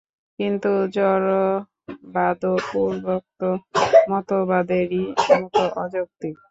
কিন্তু জড়বাদও পূর্বোক্ত মতবাদেরই মত অযৌক্তিক।